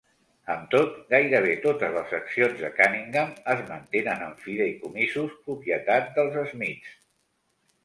Amb tot, gairebé totes les accions de Cunningham es mantenen en fideïcomisos propietat dels Smiths.